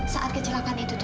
saat kecelakaan itu terjadi